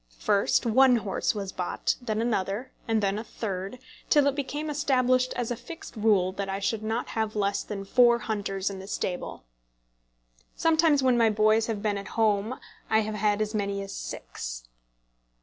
First one horse was bought, then another, and then a third, till it became established as a fixed rule that I should not have less than four hunters in the stable. Sometimes when my boys have been at home I have had as many as six.